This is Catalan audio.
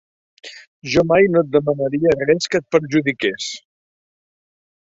Jo mai no et demanaria res que et perjudiqués.